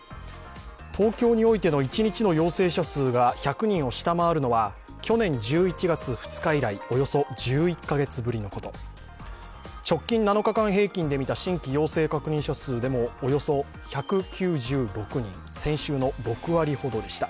東京においての一日の陽性者数が１００人を下回るのは去年１１月２日以来、およそ１１カ月ぶりのこと直近７日間平均で見た新規陽性確認者数でもおよそ１９６人、先週の６割ほどでした。